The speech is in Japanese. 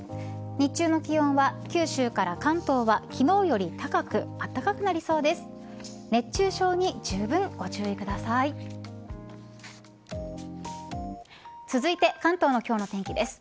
日中の気温は九州から関東は昨日より高くあったかくなりそうです。